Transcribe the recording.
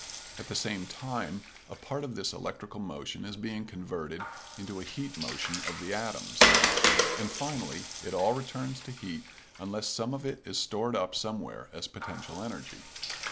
At the same time a part of this electrical motion is being converted into a heat motion of the atoms, and finally it all returns to heat unless some of it is stored up somewhere as potential energy.